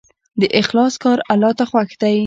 د اخلاص کار الله ته خوښ دی.